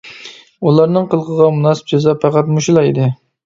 ئۇلارنىڭ قىلىقىغا مۇناسىپ جازا پەقەت مۇشۇلا ئىدى.